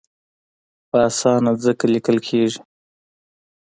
په اسانه ځکه لیکل کېږي.